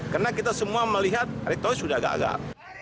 karena kita semua melihat erick thohir sudah gagal